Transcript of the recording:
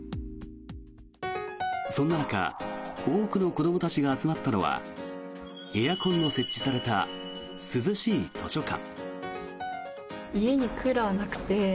そんな中多くの子どもたちが集まったのはエアコンの設置された涼しい図書館。